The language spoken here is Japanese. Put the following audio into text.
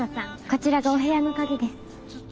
こちらがお部屋の鍵です。